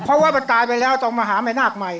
เพราะว่ามันตายไปแล้วตรงมหาแม่นาคใหม่